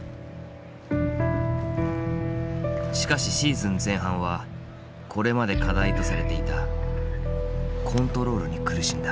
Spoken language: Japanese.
しかしシーズン前半はこれまで課題とされていたコントロールに苦しんだ。